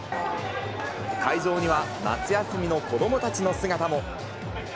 会場には夏休みの子どもたちの姿も。